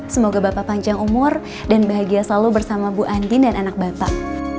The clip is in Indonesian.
semoga bapak panjang umur dan bahagia selalu bersama bu andin dan anak bapak